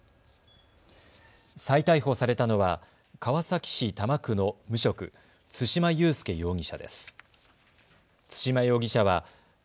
再逮捕されたのは川崎市多摩区の無職、對馬悠介容疑者です。